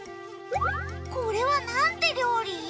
これはなんて料理？